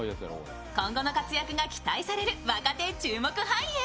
今後の活躍が期待される若手注目俳優。